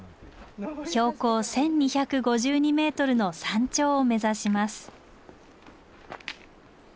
標高１，２５２ｍの山頂を目指します。